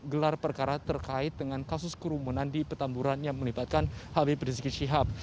gelar perkara terkait dengan kasus kerumunan di petamburan yang melibatkan habib rizik syihab